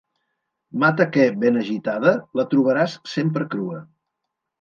Mata que, ben agitada, la trobaràs sempre crua.